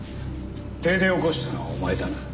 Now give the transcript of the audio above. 停電を起こしたのはお前だな。